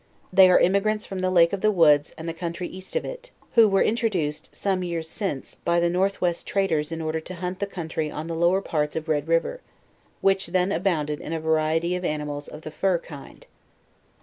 They are emigrants from the lake of the Woods and the country east of it, who were introduced, some years since, by the North West traders in order to hunt the country on the lower parts of Red river, which then abounded in a variety of animals of the fur kind.